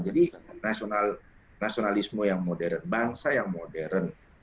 jadi nasionalisme yang modern bangsa yang modern